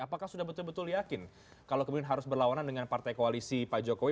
apakah sudah betul betul yakin kalau kemudian harus berlawanan dengan partai koalisi pak jokowi